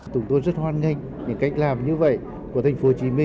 tổng thống rất hoan nghênh những cách làm như vậy của tp hcm